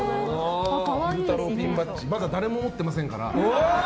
まだ誰も持ってませんから。